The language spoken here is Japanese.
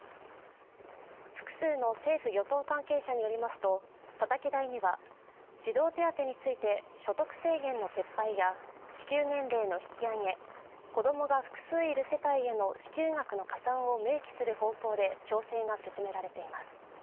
複数の政府・与党関係者によりますと、たたき台には、児童手当について、所得制限の撤廃や支給年齢の引き上げ、子供が複数いる世帯への支給額の加算を明記する方向で調整が進められています。